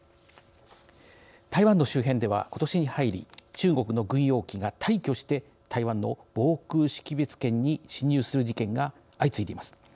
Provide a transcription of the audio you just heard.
台湾の周辺では、ことしに入り中国の軍用機が大挙して台湾の防空識別圏に進入する事件が相次いでいます。